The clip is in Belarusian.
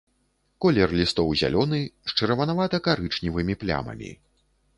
Колер лістоў зялёны з чырванавата-карычневымі плямамі.